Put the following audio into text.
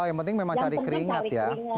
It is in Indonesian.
yang penting memang cari keringat ya